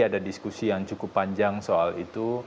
ada diskusi yang cukup panjang soal itu